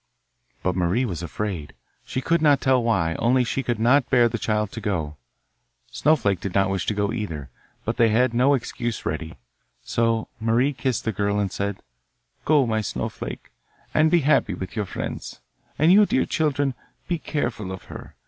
But Marie was afraid; she could not tell why, only she could not bear the child to go. Snowflake did not wish to go either, but they had no excuse ready. So Marie kissed the girl and said: 'Go, my Snowflake, and be happy with your friends, and you, dear children, be careful of her.